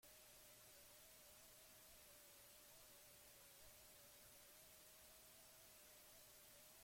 Anasagastirenaz oso bestelakoa da Anjel Lertxundiren ikuspegia.